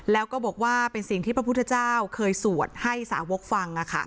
แล้วก็บอกว่าเป็นสิ่งที่พระพุทธเจ้าเคยสวดให้สาวกฟัง